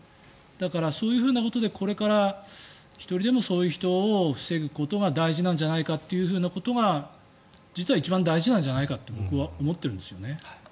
だからそういうふうなことでこれから１人でもそういう人を防ぐことが大事なんじゃないかということが実は一番大事なんじゃないかと僕は思ってるんですよね。